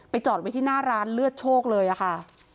จอดไว้ที่หน้าร้านเลือดโชคเลยอะค่ะ